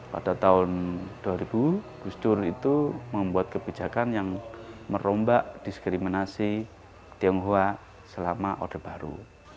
pada tahun dua ribu gus dur itu membuat kebijakan yang merombak diskriminasi tionghoa selama orde baru